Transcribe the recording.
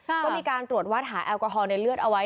ก็มีการตรวจวัดหาแอลกอฮอลในเลือดเอาไว้